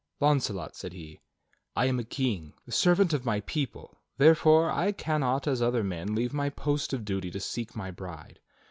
"Launcelot," said he, "I am a king, the servant of my people; therefore, I cannot as other men leave my post of duty to seek my bride.